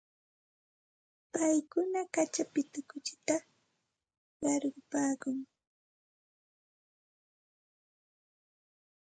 Paykuna kaćhapita kuchita qarqupaakun.